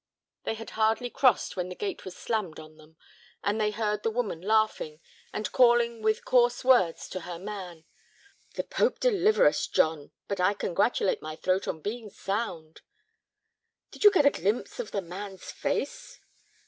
They had hardly crossed when the gate was slammed on them, and they heard the woman laughing, and calling with coarse words to her man. "The pope deliver us, John, but I congratulate my throat on being sound." "Did you get a glimpse of the man's face?"